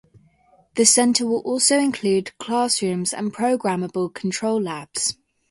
The centre will also include classrooms and programmable control labs.